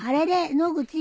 野口。